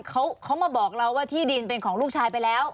เขามาบอกเราว่าที่ดินเป็นของลูกชายไปแล้ว